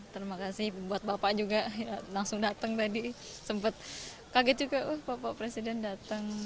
terima kasih buat bapak juga langsung datang tadi sempat kaget juga bapak presiden datang